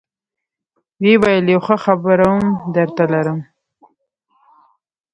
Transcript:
ويې ويل يو ښه خبرم درته لرم.